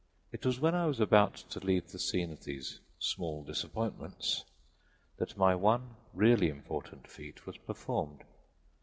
It was when I was about to leave the scene of these small disappointments that my one really important feat was performed.